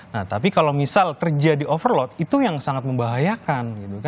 nah tapi kalau misal terjadi overload itu yang sangat membahayakan